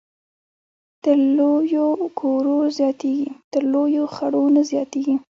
تر لويو کورو زياتېږي ، تر لويو خړو نه زياتېږي